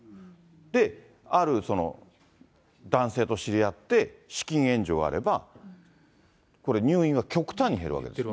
で、ある男性と知り合って、資金援助があれば、これ、入院は極端に減るわけですよ。